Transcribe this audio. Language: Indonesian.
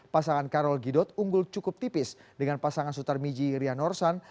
pasangan karolin gidot unggul cukup tipis dengan pasangan sutar miji rian orsan